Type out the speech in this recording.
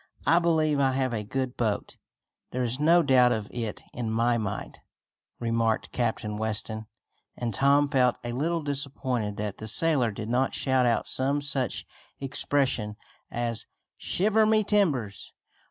"I believe I have a good boat." "There is no doubt of it in my mind," remarked Captain Weston, and Tom felt a little disappointed that the sailor did not shout out some such expression as "Shiver my timbers!"